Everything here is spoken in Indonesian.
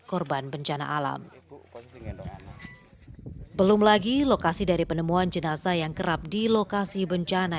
korban bencana alam belum lagi lokasi dari penemuan jenazah yang kerap di lokasi bencana